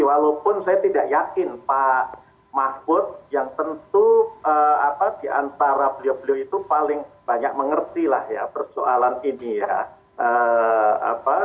walaupun saya tidak yakin pak mahfud yang tentu diantara beliau beliau itu paling banyak mengerti lah ya persoalan ini ya